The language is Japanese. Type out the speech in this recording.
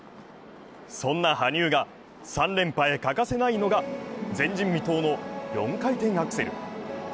そんな羽生が、３連覇へ欠かせないのが前人未踏の４回転アクセル。